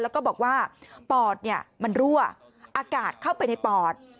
แล้วก็บอกว่าปอดมันรั่วอากาศเข้าไปในปอด